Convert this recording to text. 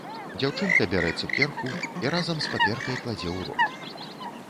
Дзяўчынка бярэ цукерку і разам з паперкай кладзе ў рот.